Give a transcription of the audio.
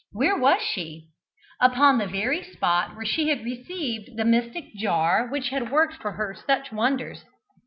Where was she? Upon the very spot where she had received the mystic jar which had worked for her such wonders.